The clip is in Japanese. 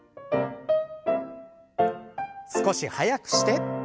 少し速くして。